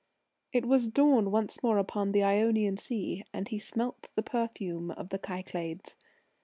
It was dawn once more upon the Ionian Sea, and he smelt the perfume of the Cyclades.